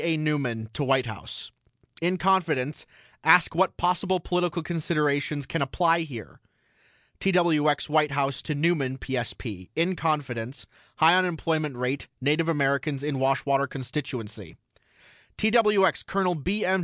A. NEUMAN TO WHITE HOUSE: IN CONFIDENCE ASK WHAT POSSIBLE POLITICAL CONSIDERATIONS CAN APPLY HERE TWX WHITE HOUSE TO NEUMAN PSP: IN CONFIDENCE HIGH UNEMPLOYMENT RATE NATIVE AMERICANS IN WASHWATER CONSTITUENCY TWX COL. B. M.